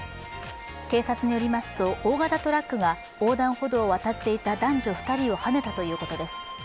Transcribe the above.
警察によりますと、大型トラックが横断歩道を渡っていた男女２人をはねたということです。